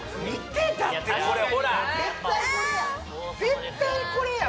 絶対これや！